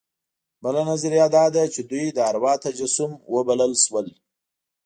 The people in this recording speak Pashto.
بله نظریه دا ده چې دوی د اروا تجسم وبلل شول.